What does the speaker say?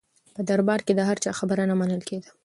په دربار کې د هر چا خبره نه منل کېده.